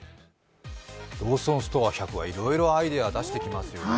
ローソンストア１００はいろいろアイデアを出してきますよね。